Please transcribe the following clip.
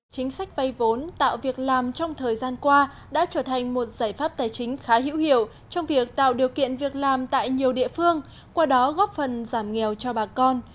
chính sách vay vốn tạo việc làm trong thời gian qua đã trở thành một giải pháp tài chính khá hữu hiệu trong việc tạo điều kiện việc làm tại nhiều địa phương qua đó góp phần giảm nghèo cho bà con